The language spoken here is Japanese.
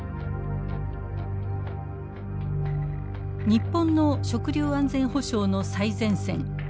日本の食料安全保障の最前線。